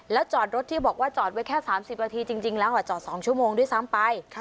แล้วจอดรถที่บอกว่าจอดไว้แค่๓๐นาทีจริงแล้วจอด๒ชั่วโมงด้วยซ้ำไป